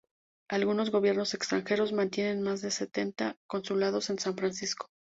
Algunos gobiernos extranjeros mantienen más de setenta consulados en San Francisco.